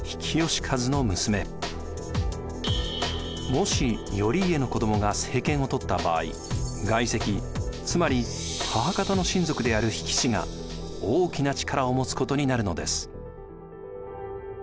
もし頼家の子どもが政権を取った場合外戚つまり母方の親族である比企氏が大きな力を持つことになるのです。